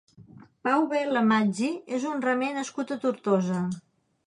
Pau Vela Maggi és un remer nascut a Tortosa.